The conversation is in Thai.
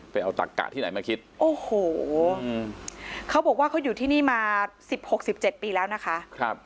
ไปเอาตักกะที่ไหนมาคิดโอ้โหเขาบอกว่าเขาอยู่ที่นี่มา๑๖๑๗ปีแล้วนะคะ